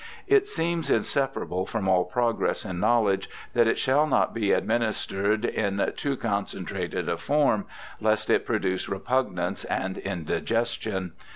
It seems inseparable from all progress in knowledge that it shall not be administered in too con centrated a form, lest it produce repugnance and in digestion.